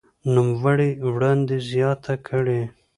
نوموړي وړاندې زياته کړې